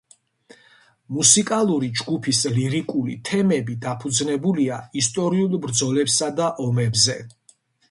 მუსიკალური ჯგუფის ლირიკული თემები დაფუძნებულია ისტორიულ ბრძოლებსა და ომებზე.